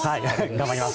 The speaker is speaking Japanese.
頑張ります。